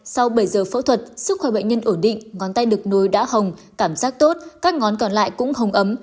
sau bảy giờ phẫu thuật sức khỏe bệnh nhân ổn định ngón tay đực núi đã hồng cảm giác tốt các ngón còn lại cũng hồng ấm